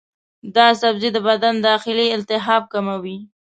دا سبزی د بدن داخلي التهابات کموي.